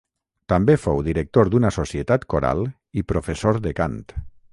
També fou director d'una societat coral i professor de cant.